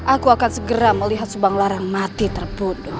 aku akan segera melihat sepang larang mati terbunuh